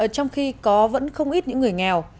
trong khi có vẫn không ít những người nghèo